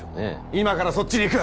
今からそっちに行く！